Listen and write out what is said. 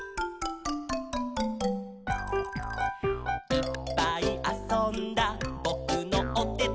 「いっぱいあそんだぼくのおてて」